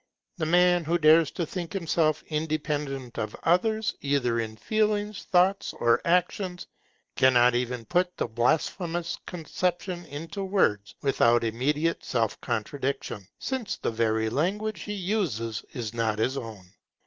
The man who dares to think himself independent of others, either in feelings, thoughts, or actions, cannot even put the blasphemous conception into words without immediate self contradiction, since the very language he uses is not his own.